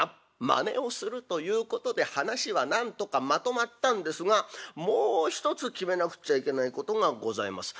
まねをするということで話はなんとかまとまったんですがもう一つ決めなくっちゃいけないことがございます。